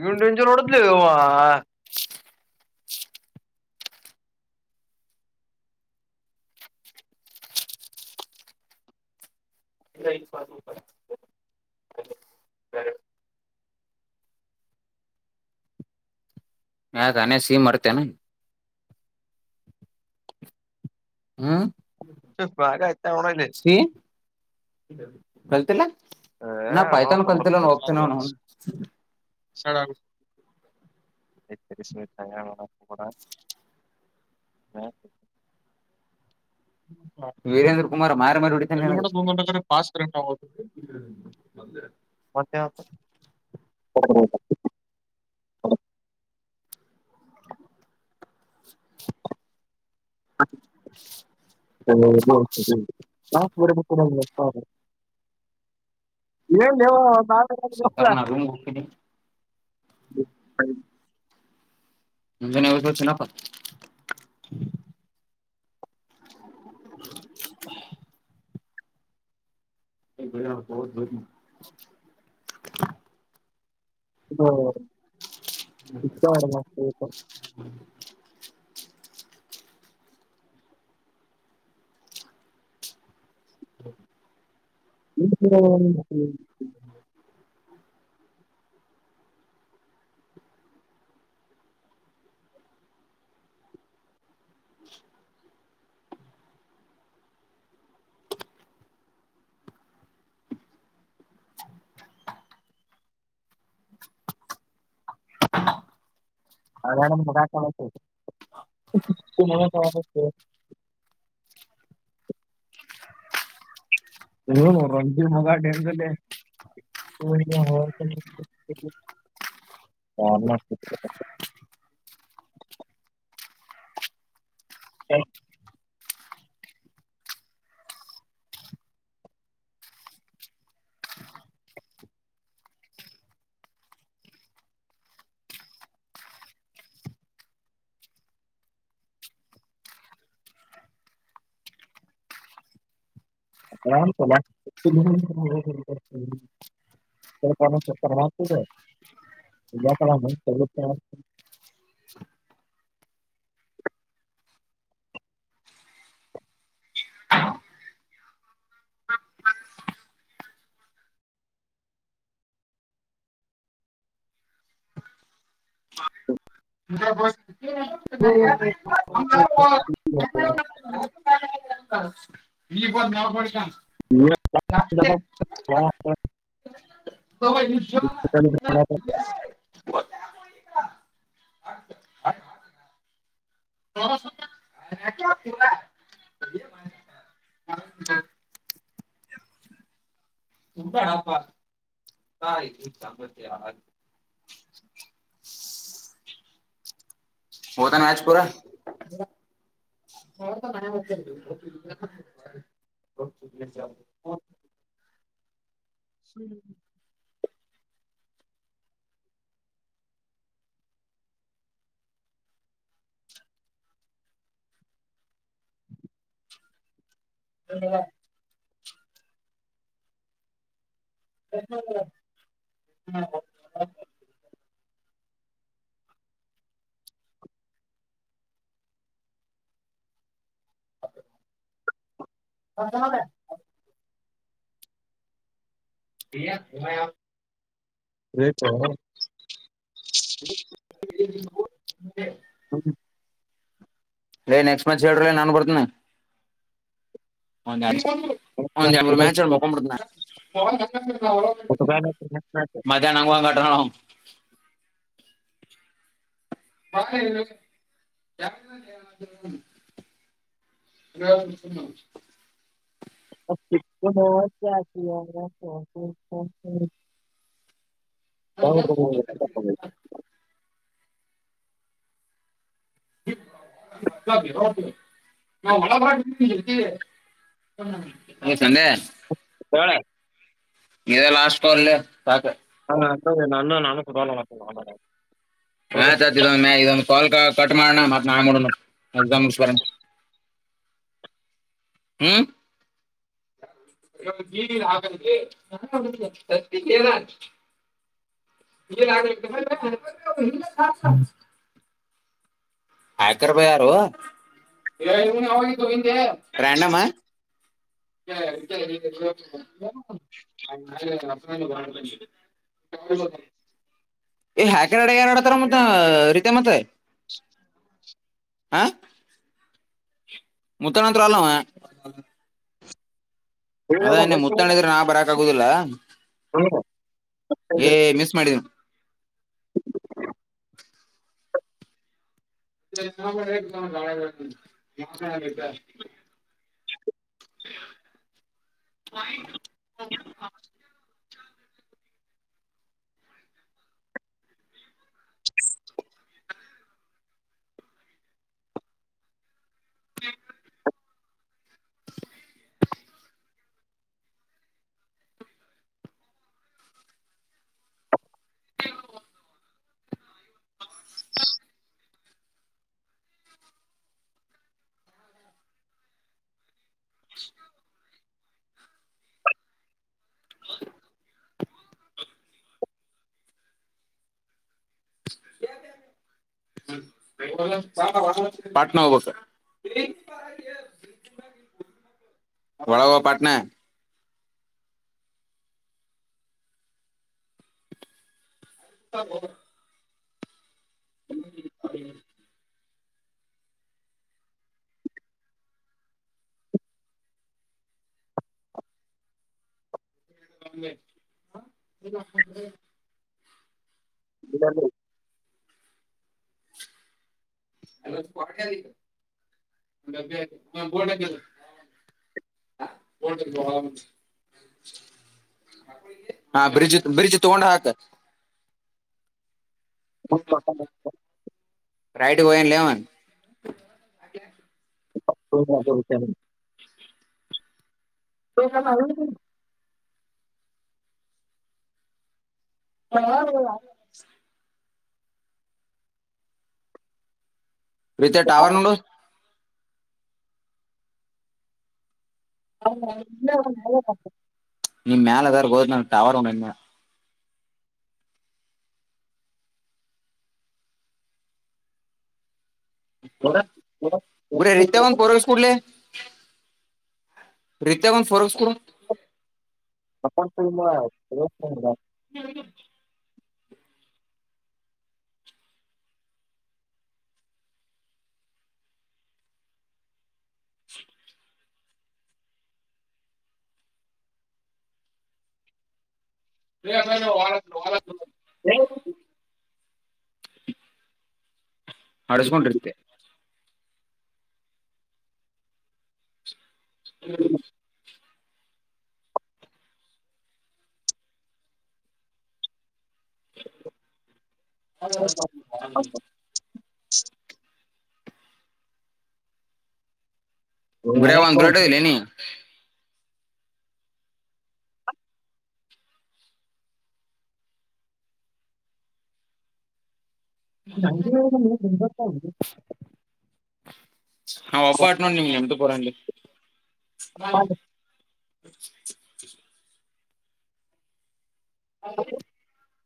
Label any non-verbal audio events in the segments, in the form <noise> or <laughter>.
ಏನ್ <unintelligible> <unintelligible> ಹಾ ತ ಅನ ಸಿ ಮಾಡತನೆ. ಹ್ಮ ಹ ಬಾಗ ಆಯತಾವಣಲ್ಲೇ. ಕಲ್ತಿಲ್ಲ ನಾ ಪಾಯ್ತಾನ ಹೊಡದ್ರ ಕಲ್ತಿಲ್ಲ ಹೋಗ್ತನ. <unintelligible> ಹಾ. ವೀರೇಂದ್ರ ಕುಮಾರ್ ಮಾರಿ ಮಾರಿ ಹೊಡಿತಾನ ನನಗ <unintelligible> ಪಸ್ ಆದು ಮತ್ತ <unintelligible> ಹ. ಹ <unintelligible> <inaudible> <unintelligible> ಏನ್ ಹೇಳ್ <unintelligible> ಸಕಾರಣ ಅ ರೂಮ್ ಹೋಗ್ತೀನಿ. ಹ. <unintelligible> ನಿಂಜನ ಇವ ಸ ಚನಪ್ಪ. <inaudible> ಮ ಭಯ ಬಹದ ಬರ ಹ ಇತ <unintelligible> ಹ <inaudible> ಇ <unintelligible> <inaudible> ಅದ ಮುಗ <unintelligible> <inaudible> <unintelligible> ಂಗಲ್ಲ ಹ <unintelligible> ಹ <unintelligible> ಹ <unintelligible> <unintelligible> <unintelligible> <unintelligible> <inaudible> <unintelligible> ಹಾ ಇಲ್ಲಿ ಬ <unintelligible> <unintelligible> ನವ ಕೊಡಿ ಹಾ <unintelligible> ಸಾಾಮತ <unintelligible> ಹೋದನ್ ಆಾಜಪುರ ಹ <unintelligible> ಹ್ಮ್ <unintelligible> ಹದ ಮ <unintelligible> ತ <unintelligible> ಹೌ <unintelligible> ಎ ನೆಕ್ಸ್ಟ್ಮ್ಯಾಚ್ ಹೇಳ್ರಿ ನಾನು ಬರ್ತೇನಿ ಹ ಅವ <unintelligible> ಒಂದೇರ್ಮುರು ಮ್ಯಾಚ್ ನೋಡಿ ಮಲ್ಕೊಬುಡ್ತಿನಿ ನಾನು ಮಧಹ್ನಂಗ್ <unintelligible> ಕಟ <inaudible> ಹ <unintelligible> ಹ <unintelligible> ಹಾಗದ <unintelligible> ನಾ ಹೊಳಬರಾರ್ತಿದೆ <unintelligible> ಸಂಂದೆ ಕಳ <unintelligible> ಇದೆ ಲಾಸ್ಟ್ ಕಾಲ್ ಲೆ ಸಾಕ್ ಹ ಅನ್ನ್ಣ ನಾನು ಕೊಡಲ್ಲ ಮಾತ ಆಯ್ತ ಆತ್ ಇದೊಂದ ಮ ಇದಂದು ಕಾಲ್ ಕಟ್ ಮಾಡೋಣ ಮತ್ತತ್ ನಾಳೆ ಮಡಣ ಎಕ್ಸಾಮ್ ಮುಗ್ಸಿ ಬರೋಣ ಹ್ಮ ಆಗಲ್ಲ <unintelligible> <inaudible> <unintelligible> ಆಯಕ <unintelligible> ಯಾರು <unintelligible> ರ್ಯಾಂಡಮ್ ಳ <unintelligible> ಹ <unintelligible> ಎರಡೆ ಎರಡ ತರ ಮ <unintelligible> ಆ ಮುತ್ತಣತ್ರರ <unintelligible> ಅಲ್ಲಾಮ ಅದನ್ನೆ ಮುತ್ತಣಿದ್ರೆ ನಾ ಬರಾಕ್ ಆಗುದಿಲ್ಲ ಏ ಮಿಸ್ ಮಾಡಿದಿ <unintelligible> <unintelligible> <unintelligible> <unintelligible> ಹ ಯ ಬ <inaudible> ಪಾಟ್ನಾ ಹೋಗ ವಡಾವ ಪಾಟ್ಣ ಹೌ ಹ್ಮ <unintelligible> <unintelligible> <unintelligible> <unintelligible> ಬೋ ಹ ಹಾ ಬ್ರಿಡ್ಜ್ ಬ್ರಿಡ್ಜ್ ತಗೊಂಡ ಹಾಕ ರೈಟ್ ಬಯನ್ ಇಲೆವನ್ <unintelligible> ತ ಕ ಆ <inaudible> ಹಾ ರತಿಯ ಟಾವರ್ ನಡ ಹೌ ನಿಮ್ ಮೇಲೆದರ್ ಹೋದ್ ನ ಟವರ್ ಬಡೆ ರತ್ಯಾವನ್ ಪೊರಸ್ ಕುೂಡ್ಲ ರತ್ಯಗ ರಸ್ ಕೊ ಅಪ್ಪ <unintelligible> ನೀ ನಡಸ್ಕೊಂಡಿರ್ತ್ತೆ ಹ್ಮ <unintelligible> ಹ ಗುರಿಂದು ದುರಟದಿಲ್ಲ ನೀ ಗಾಂಧ ಗಂಬತದು ಹಾ ಒಪ್ಪ ಆಟ್ ನೋಡ್ ನಿಮ್ಗೆಮುಪುರಲ್ಲಿ ಹನ್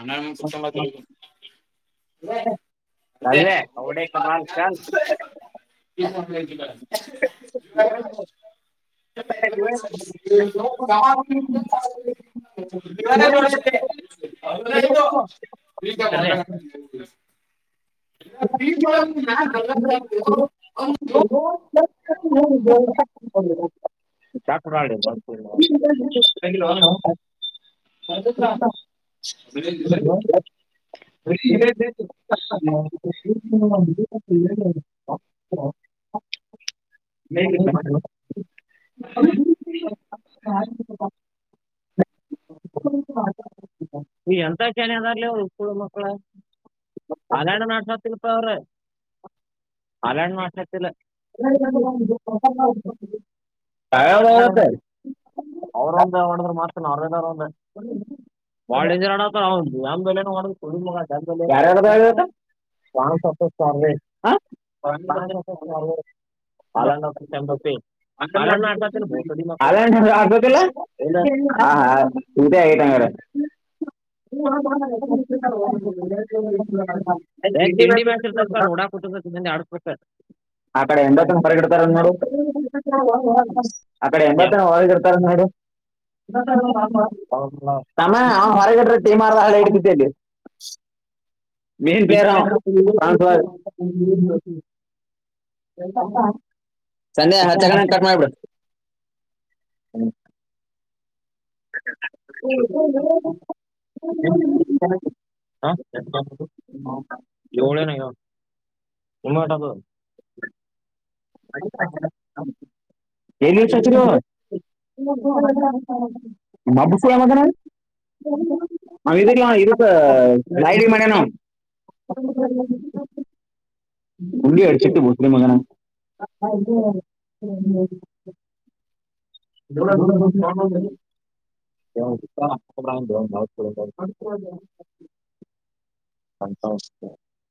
ಅನ್ನ ಸಕ್ಷಂಬತ ಚಲ್ ರ ಡೆ ಕಮಾರ ಚಲ್ ಸರಿ <unintelligible> ಷ <unintelligible> ನಾನ್ ಆಯ್ತ ಹ ಸರಿಯಾಗಿ ಕೇಳುತ್ತಿಲ್ಲ ಡಾಕ್ಟರ್ ಆಡಿ ಹೋಗಿಲ್ಲ ಒ <inaudible> ಯು ಹ್ಮ್ ಮೇ ಎಂತ ಚನ ಅದಾರಲಿ ಉಕಳ ಮಕ್ಕಳ <unintelligible> <unintelligible> <unintelligible> ಅವರು ಒಂದ ಒಡದ್ರ ಮತ್ತ ನಾರ್ವೆದವ್ರು ಒಂದ ಬಾಲ್ಡೇಂಜರ್ ಆಡ ಯಾರ್ಯಾರ್ದಾಗೈತೆ <unintelligible> ಸರ್ವೇ <unintelligible> ಹ <unintelligible> ಹಾ ಇದೆ <unintelligible> <unintelligible> ಕ ನಿ ಅಡುಪಕ್ಕ ಅಡೆ ಎಂಬತನ ಹ ಕಡ್ತಾರೆ ಮೇ <unintelligible> ತಮ್ಮೇ ಅವ್ಗ ಹೊರಗ <unintelligible> <unintelligible> ಸಂಜೆ ಹತ್ತಾಗನ ಕಟ್ ಮಾಡ್ಬಿಡು. ಹ್ಮ. <unintelligible> <unintelligible> <unintelligible> ಆಟದು <unintelligible> <unintelligible> <unintelligible> <unintelligible> <unintelligible> <unintelligible> <unintelligible>